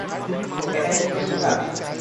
এটাই সেই কবিতাটা!